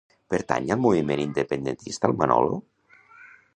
Pertany al moviment independentista el Manolo?